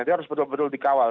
dia harus betul betul dikawal